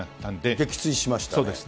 撃墜しましたね。